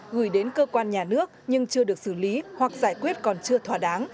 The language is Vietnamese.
gửi đến cơ quan nhà nước nhưng chưa được xử lý hoặc giải quyết còn chưa thỏa đáng